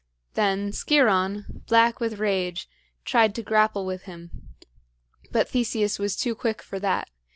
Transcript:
Then Sciron, black with rage, tried to grapple with him; but Theseus was too quick for that.